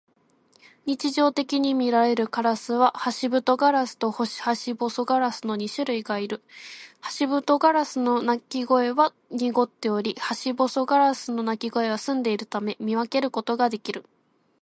日常的にみられるカラスはハシブトガラスとハシボソガラスの二種類がいる。ハシブトガラスの鳴き声は濁っており、ハシボソガラスの鳴き声は澄んでいるため、見分けることができる。